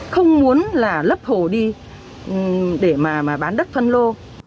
không muốn là lấp hồ đi để mà bán đất phân lô